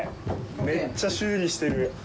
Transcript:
めっちゃ修理してる。